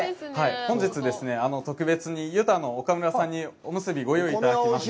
本日、特別にゆたの岡村さんにおむすびをご用意いただきました。